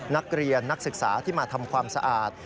นักเรียนนักศึกษาที่มาทำความสะอาด